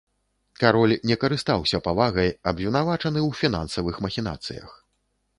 Кароль не карыстаўся павагай, абвінавачаны ў фінансавых махінацыях.